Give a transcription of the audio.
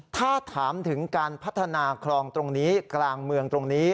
ถ้าถามถึงการพัฒนาคลองตรงนี้กลางเมืองตรงนี้